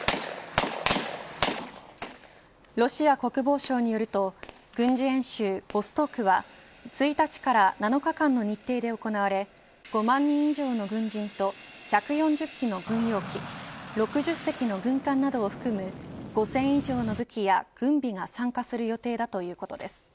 ロシア国防省によると軍事演習ボストークは１日から７日間の日程で行われ５万人以上の軍人と１４０機の軍用機６０隻の軍艦などを含む５０００以上の武器や軍備が参加する予定だということです。